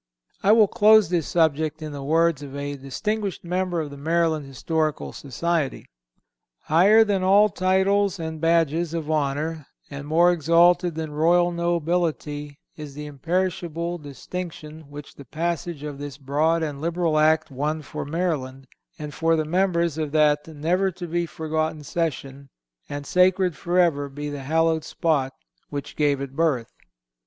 I will close this subject in the words of a distinguished member of the Maryland Historical Society: "Higher than all titles and badges of honor, and more exalted than royal nobility is the imperishable distinction which the passage of this broad and liberal Act won for Maryland, and for the members of that never to be forgotten session, and sacred forever be the hallowed spot which gave it birth."